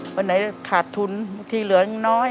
วันไหนขาดทุนที่เหลือยังน้อย